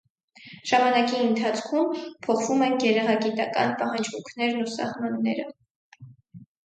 Ժամանակի ընթացքում փոխվում են գեղագիտական պահանջմունքներն ու սահմանները։